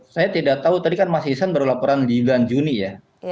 saya tidak tahu tadi kan mas ihsan baru laporan di bulan juni ya